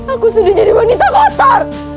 aku sudah jadi wanita kotor